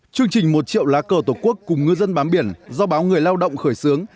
chương trình một triệu lá cờ tổ quốc cùng ngư dân bám biển do báo người lao động khởi xướng